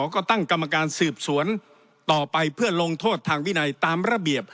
ก็ตั้งกรรมการสืบสวนต่อไปเพื่อลงโทษทางวินัยตามระเบียบ